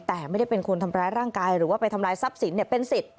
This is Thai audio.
แต่ไม่ได้เป็นคนทำร้ายร่างกายหรือว่าไปทำลายทรัพย์สินเป็นสิทธิ์